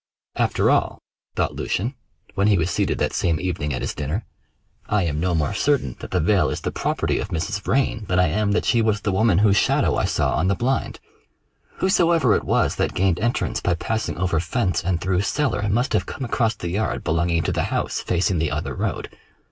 "After all," thought Lucian, when he was seated that same evening at his dinner, "I am no more certain that the veil is the property of Mrs. Vrain than I am that she was the woman whose shadow I saw on the blind. Whosoever it was that gained entrance by passing over fence and through cellar, must have come across the yard belonging to the house facing the other road.